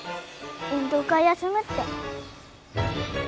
運動会休むって。